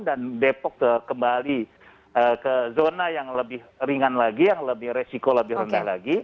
dan depok kembali ke zona yang lebih ringan lagi yang lebih resiko lebih rendah lagi